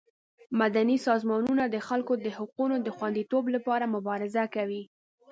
مدني سازمانونه د خلکو د حقونو د خوندیتوب لپاره مبارزه کوي.